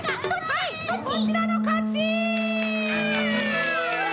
はいこちらのかち！